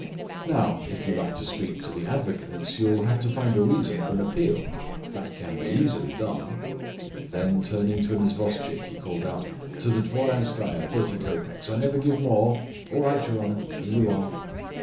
"Now, if you like to speak to the advocates you'll have to find a reason for an appeal; that can be easily done." Then, turning to an isvostchik, he called out, "To the Dvoryanskaya 30 copecks; I never give more." "All right, your honour; here you are."